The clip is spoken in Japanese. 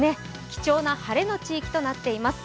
貴重な晴れの地域となっています。